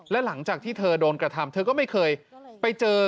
และหลังจากที่เธอโดนกระทำเธอก็ไม่เคยไปเจอ